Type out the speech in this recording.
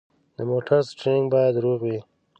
د موټر سټیرینګ باید روغ وي.